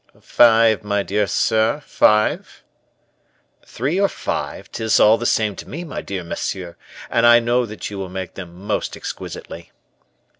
"Five, my dear sir, five." "Three or five, 'tis all the same to me, my dear monsieur; and I know that you will make them most exquisitely."